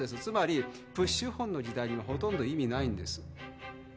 「つまりプッシュホンの時代にはほとんど意味ないんです」